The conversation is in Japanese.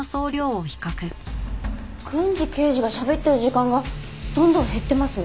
郡司刑事がしゃべってる時間がどんどん減ってます！